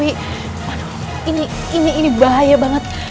aduh ini ini ini bahaya banget